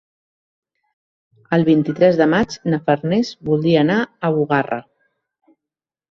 El vint-i-tres de maig na Farners voldria anar a Bugarra.